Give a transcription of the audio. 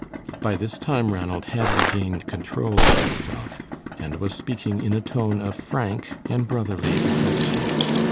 By this time Ranald had regained control of himself, and was speaking in a tone of frank and brotherly affection.